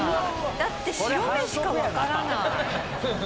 だって白目しか分からない。